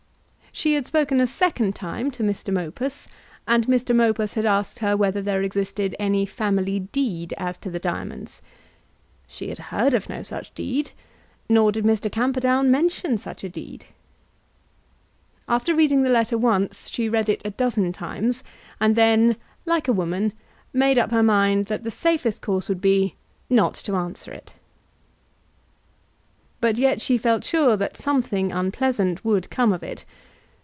She had spoken a second time to Mr. Mopus, and Mr. Mopus had asked her whether there existed any family deed as to the diamonds. She had heard of no such deed, nor did Mr. Camperdown mention such a deed. After reading the letter once she read it a dozen times; and then, like a woman, made up her mind that her safest course would be not to answer it. But yet she felt sure that something unpleasant would come of it.